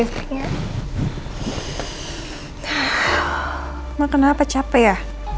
emang kenapa capek ya